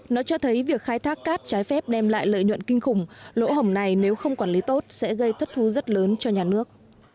nó cho thấy việc khai thác cát trái phép đem lại lợi nhuận kinh khủng lỗ hổng này nếu không quản lý tốt sẽ gây thất thu rất lớn cho nhà nước